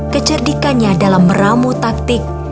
kecerdikannya dalam meramu taktik